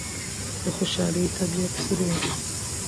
د خوشحالۍ طبیعت څه دی؟